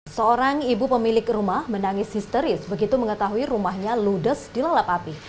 seorang ibu pemilik rumah menangis histeris begitu mengetahui rumahnya ludes dilalap api